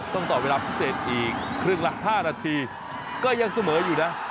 ต่อเวลาพิเศษอีกครึ่งละ๕นาทีก็ยังเสมออยู่นะ